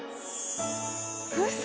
うそ！